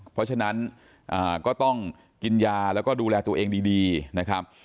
เพราะฉะนั้นก็ต้องกินยาแล้วก็ดูแลตัวเองดีนะครับ